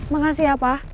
makasih ya pa